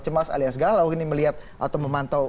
cemas alias galau ini melihat atau memantau